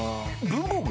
文房具！？